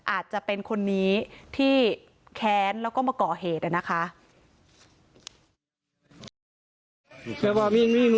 อาจจะเป็นคนนี้ที่แค้นแล้วก็มาก่อเหตุนะคะ